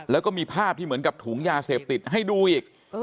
แล้วก็มีภาพที่เหมือนกับถุงยาเสพติดให้ดูอีก